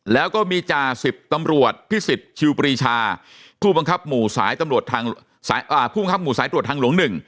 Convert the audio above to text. แล้วก็มีจ่าศิพย์ตำรวจพิศิษฐ์ชิวปรีชาผู้บังคับหมู่สายตำรวจทางหลวง๑